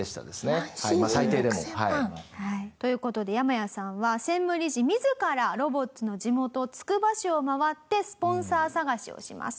１シーズン６０００万。という事でヤマヤさんは専務理事自らロボッツの地元つくば市を回ってスポンサー探しをします。